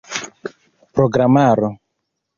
programaro